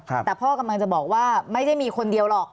แต่พ่อกำลังจะบอกว่าไม่ได้มีคนเดียวหรอก